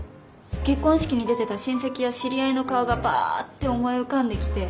結婚式に出てた親戚や知り合いの顔がばって思い浮かんできて。